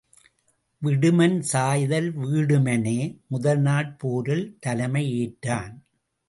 விடுமன் சாய்தல் வீடுமனே முதல் நாட் போரில் தலைமை ஏற்றான்.